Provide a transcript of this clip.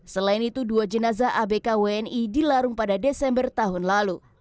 selain itu dua jenazah abk wni dilarung pada desember tahun lalu